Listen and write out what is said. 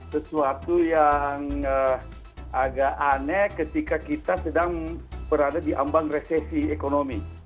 sesuatu yang agak aneh ketika kita sedang berada di ambang resesi ekonomi